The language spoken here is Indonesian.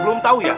belum tahu ya